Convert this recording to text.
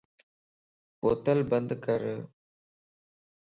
بوتل بند ڪر